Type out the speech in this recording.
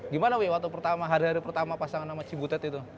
gimana awya hari hari pertama pasangan sama cibutet itu